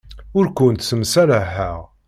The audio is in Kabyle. Ur kent-ssemṣalaḥeɣ.